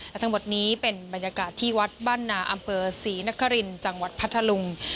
และทั้งหมดนี้เป็นบรรยากาศที่วัดบ้านนาอำเภอศรีนครินจังหวัดพัทธลุง